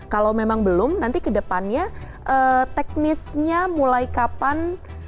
kalau memang belum nanti ke depannya teknisnya mulai kapan